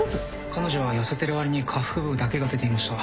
彼女は痩せてるわりに下腹部だけが出ていました。